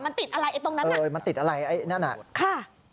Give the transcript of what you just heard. มันติดอะไรไอ้ตรงนั้นน่ะเออมันติดอะไรไอ้นั่นอ่ะค่ะ